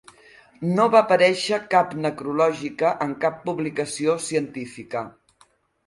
No va aparèixer cap necrològica en cap publicació científica.